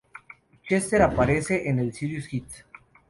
Chester aparece en el "Serious Hits...